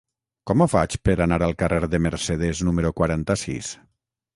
Com ho faig per anar al carrer de Mercedes número quaranta-sis?